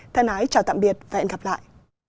thân ái chào tạm biệt và hẹn gặp lại